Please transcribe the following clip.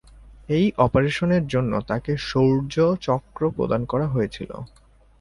এই অপারেশনের জন্য তাঁকে শৌর্য চক্র প্রদান করা হয়েছিল।